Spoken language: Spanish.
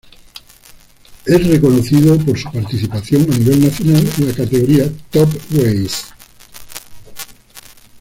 Es reconocido por su participación a nivel nacional en la categoría Top Race.